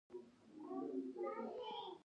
پۀ ذريعه ناڅاپي دغه عضلات واپس راغونډ کړي